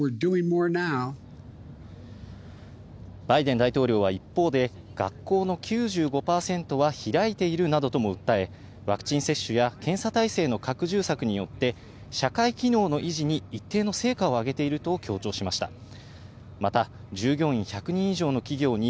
バイデン大統領は一方で、学校の９５％は開いているなどとも訴え、ワクチン接種や検査態勢の拡充策によって社会機能の維持に一定の成果を上げていると強調しました。